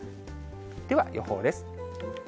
では、予報です。